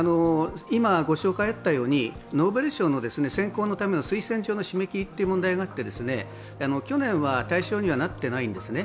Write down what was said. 今ご紹介あったようにノーベル賞の選考のための推薦の締め切りというのがあって去年は対象にはなっていないんですね。